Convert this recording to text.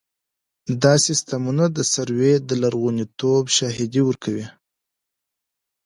دا سیستمونه د سروې د لرغونتوب شاهدي ورکوي